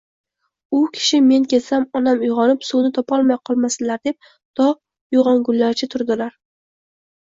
U kishi men ketsam, onam uygʻonib, suvni topolmay qolmasinlar deb to uygʻongunlaricha turdilar